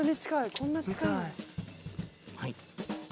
こんな近い。